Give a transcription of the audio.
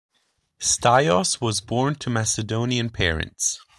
Staios was born to Macedonian parents.